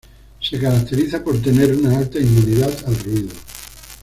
Se caracteriza por tener una alta inmunidad al ruido.